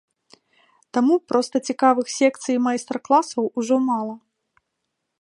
Таму проста цікавых секцый і майстар-класаў ужо мала.